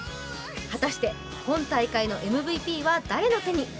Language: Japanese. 果たして今大会のＭＶＰは誰の手に？